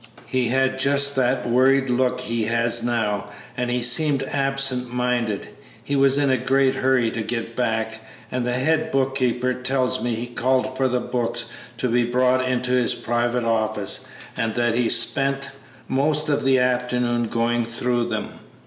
He had just that worried look he has now, and he seemed absent minded. He was in a great hurry to get back, and the head book keeper tells me he called for the books to be brought into his private office, and that he spent most of the afternoon going through them.